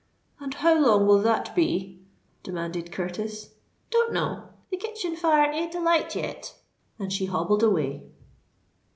"And how long will that be?" demanded Curtis. "Don't know: the kitchen fire ain't alight yet:"—and she hobbled away.